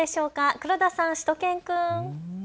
黒田さん、しゅと犬くん。